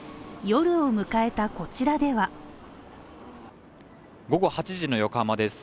夜を迎えたこちらでは午後８時の横浜です。